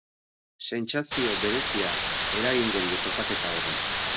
Sentsazio berezia eragingo die topaketa horrek.